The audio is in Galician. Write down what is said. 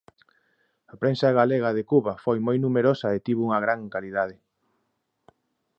A prensa galega de Cuba foi moi numerosa e tivo unha gran calidade.